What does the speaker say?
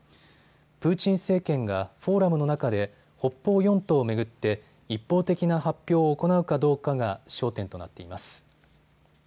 プーチン政権がフォーラムの中で北方四島を巡って一方的な発表を行うかどうかが焦点となっています。